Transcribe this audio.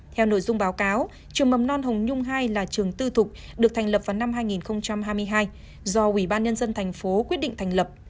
theo nội dung báo cáo trường mầm non hồng nhung hai là trường tư thục được thành lập vào năm hai nghìn hai mươi hai do ubnd tp quyết định thành lập